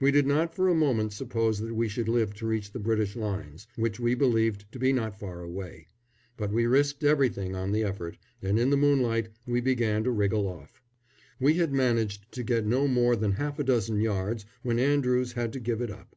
We did not for a moment suppose that we should live to reach the British lines, which we believed to be not far away; but we risked everything on the effort, and in the moonlight we began to wriggle off. We had managed to get no more than half a dozen yards when Andrews had to give it up.